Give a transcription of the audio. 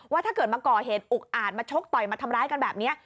ถ้าเกิดมาก่อเหตุอุกอาจมาชกต่อยมาทำร้ายกันแบบนี้